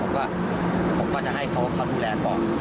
ผมก็จะให้เขาดูแลก่อน